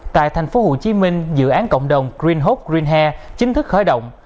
tại thành phố hồ chí minh dự án cộng đồng green hope green hair chính thức khởi động